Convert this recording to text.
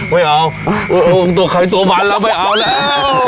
ไม่เอาตัวไข่ตัวมันแล้วไม่เอาแล้ว